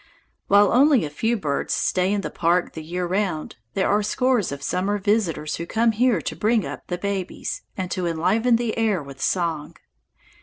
While only a few birds stay in the park the year round, there are scores of summer visitors who come here to bring up the babies, and to enliven the air with song.